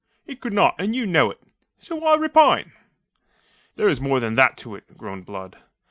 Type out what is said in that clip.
"It could not, and you know it. So why repine?" "There is more than that to it," groaned Blood.